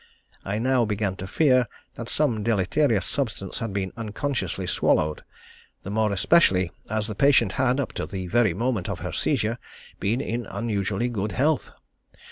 I now began to fear that some deleterious substance had been unconsciously swallowed, the more especially as the patient had, up to the very moment of her seizure, been in unusually good health.